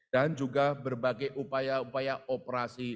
dan juga berbagai upaya upaya operasi pasar